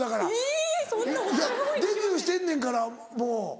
デビューしてんねんからもう。